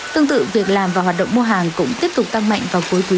tương tự việc làm và hoạt động mua hàng cũng tiếp tục tăng mạnh vào cuối quý